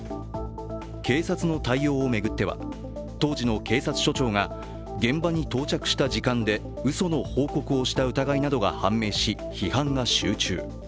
警察の対応を巡っては当時の警察署長が現場に到着した時間でうその報告をした疑いなどが判明し批判が集中。